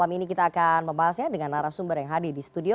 malam ini kita akan membahasnya dengan arah sumber yang hadir di studio